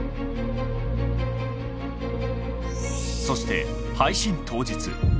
そして配信当日。